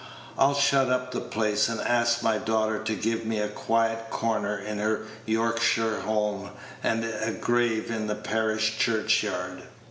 I'll shut up the place, and ask my daughter to give me a quiet corner in her Yorkshire home, and a grave in the parish church yard."